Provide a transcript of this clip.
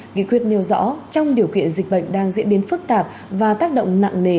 nghị quyết nêu rõ trong điều kiện dịch bệnh đang diễn biến phức tạp và tác động nặng nề